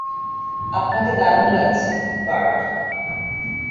আপনাকে দারুণ লাগছে, বার্ট।